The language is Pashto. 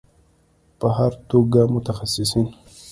په هر توګه متخصصین